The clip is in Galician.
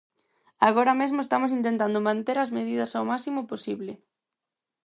Agora mesmo estamos intentando manter as medidas o máximo posible.